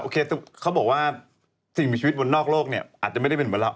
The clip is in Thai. เขาบอกว่าสิ่งมีชีวิตบนนอกโลกเนี่ยอาจจะไม่ได้เป็นเหมือนเรา